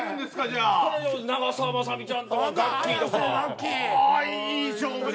ああいい勝負だ。